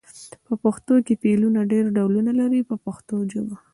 په پښتو کې فعلونه ډېر ډولونه لري په پښتو ژبه.